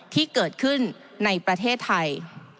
ที่เกิดขึ้นในประเทศไทย